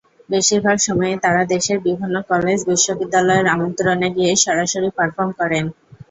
বেশিরভাগ সময়েই তারা দেশের বিভিন্ন কলেজ, বিশ্ববিদ্যালয়ের আমন্ত্রণে গিয়ে সরাসরি পারফর্ম করেন।